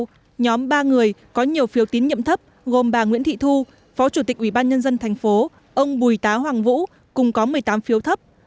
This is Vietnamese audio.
tiếp theo nhóm ba người có nhiều phiếu tín nhiệm thấp gồm bà nguyễn thị thu phó chủ tịch ủy ban nhân dân tp bầu ông bùi tá hoàng vũ cùng có một mươi tám phiếu thấp